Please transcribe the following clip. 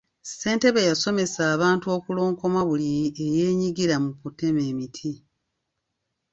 Ssentebe yasomesa abantu okulonkoma buli eyeenyigira mu kutema emiti.